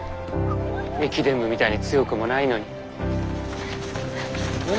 駅伝部みたいに強くもないのに。